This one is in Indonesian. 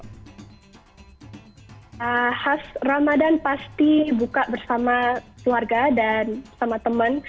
khas ramadan pasti buka bersama keluarga dan sama teman